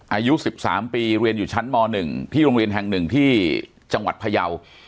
อายุ๑๓ปีเรียนอยู่ชั้นม๑ที่โรงเรียนแห่ง๑ที่จังหวัดพยาว